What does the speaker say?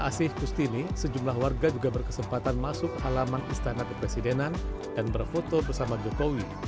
asih kustini sejumlah warga juga berkesempatan masuk halaman istana kepresidenan dan berfoto bersama jokowi